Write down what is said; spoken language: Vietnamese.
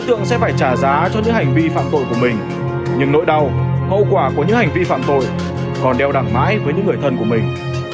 tượng sẽ phải trả giá cho những hành vi phạm tội của mình nhưng nỗi đau hậu quả của những hành vi phạm tội còn đeo đẳng mãi với những người thân của mình